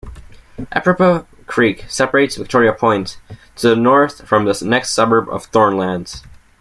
Eprapah Creek separates Victoria Point to the north from the next suburb of Thornlands.